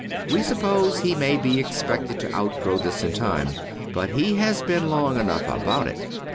We suppose he may be expected to outgrow this in time but he has been long enough about it.